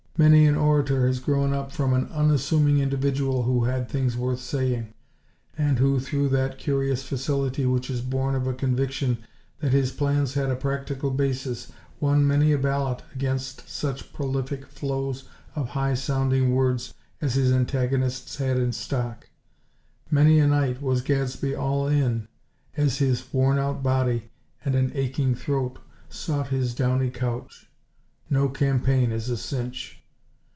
Many an orator has grown up from an unassuming individual who had things worth saying; and who, through that curious facility which is born of a conviction that his plans had a practical basis, won many a ballot against such prolific flows of high sounding words as his antagonists had in stock. Many a night Gadsby was "all in," as his worn out body and an aching throat sought his downy couch. No campaign is a cinch.